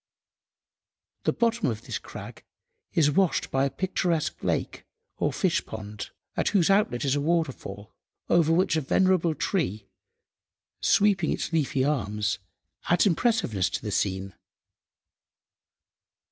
The bottom of this crag is washed by a picturesque lake or fish–pond, at whose outlet is a waterfall, over which a venerable tree, sweeping its leafy arms, adds impressiveness to the scene.